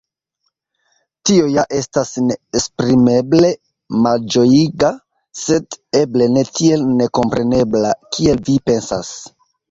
Tio ja estas neesprimeble malĝojiga, sed eble ne tiel nekomprenebla, kiel vi pensas.